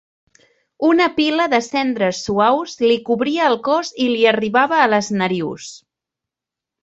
Una pila de cendres suaus li cobria el cos i li arribava a les narius.